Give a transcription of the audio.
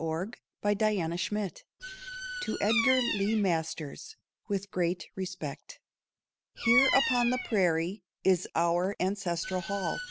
The Prairie Battlements (To Edgar Lee Masters, with great respect.) Here upon the prairie Is our ancestral hall.